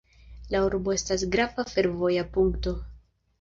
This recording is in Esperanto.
La urbo estas grava fervoja punkto.